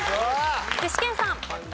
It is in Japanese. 具志堅さん。